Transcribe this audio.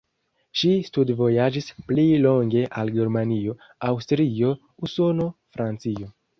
Ŝi studvojaĝis pli longe al Germanio, Aŭstrio, Usono, Francio.